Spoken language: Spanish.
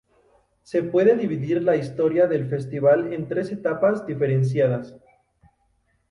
Se puede dividir la historia del festival en tres etapas diferenciadas.